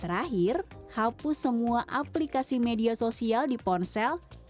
terakhir hapus semua aplikasi media dan berhenti menggunakan aplikasi media